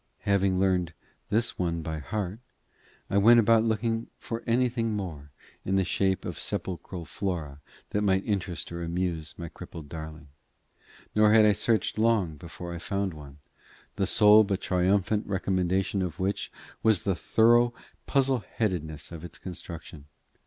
Having learnt this one by heart, I went about looking for anything more in the shape of sepulchral flora that might interest or amuse my crippled darling; nor had I searched long before I found one, the sole but triumphant recommendation of which was the thorough "puzzle headedness" of its construction.